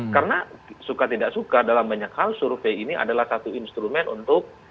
karena suka tidak suka dalam banyak hal survei ini adalah satu instrumen untuk